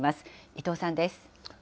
伊藤さんです。